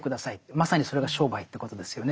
まさにそれが商売ということですよね。